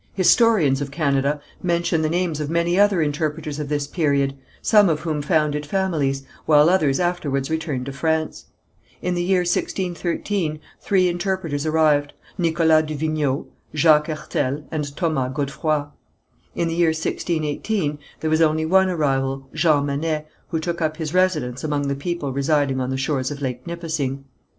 Historians of Canada mention the names of many other interpreters of this period, some of whom founded families, while others afterwards returned to France. In the year 1613 three interpreters arrived, Nicholas du Vignau, Jacques Hertel, and Thomas Godefroy. In the year 1618 there was only one arrival, Jean Manet, who took up his residence among the people residing on the shores of Lake Nipissing.